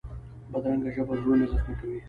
بدرنګه ژبه زړونه زخمي کوي